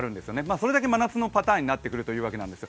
それだけ真夏のパターンになってくるということなんです。